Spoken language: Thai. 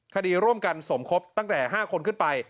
คดีร่วมกันสมคบตั้งแต่๕คนขึ้นไป